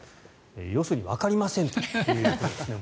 要するにわかりませんということです。